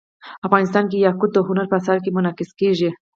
افغانستان کې یاقوت د هنر په اثار کې منعکس کېږي.